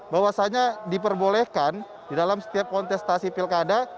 bahwasannya diperbolehkan di dalam setiap kontestasi pilkada